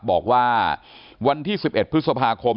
บอกว่าวันที่๑๑พฤษภาคม